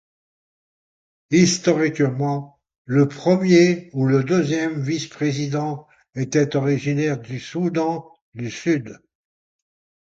Historiquement, le premier ou le deuxième vice-président était originaire du Soudan du Sud.